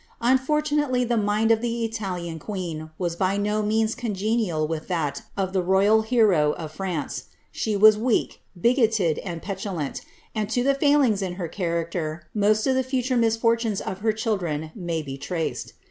Unfortunately the mind of the I'AJian queen was by no means congenial with that of the royal hero of France ; she was weak, bigoted, and petulant, and to the failings in her character most of the future misfortunes of her children may be Xi^ccvi.